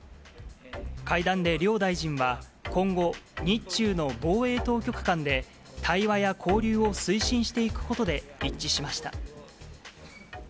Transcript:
会談で両大臣は、今後、日中の防衛当局間で、対話や交流を推進していくことで一致しました。